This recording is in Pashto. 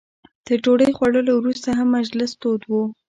تر ډوډۍ خوړلو وروسته هم مجلس تود و.